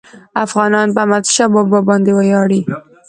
افغانان په احمدشاه بابا باندي ویاړي.